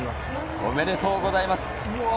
おめでとうございます！